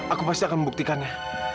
aku pasti akan membuktikannya